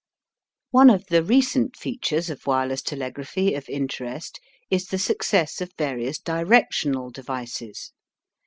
One of the recent features of wireless telegraphy of interest is the success of various directional devices.